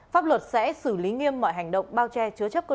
pháp luật sẽ xử lý nghiêm mọi hành động bao che chứa chấp cơ